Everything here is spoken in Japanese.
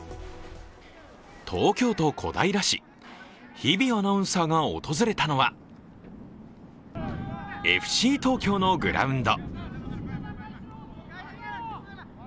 東京都小平市、日比アナウンサーが訪れたのはＦＣ東京のグラウンド。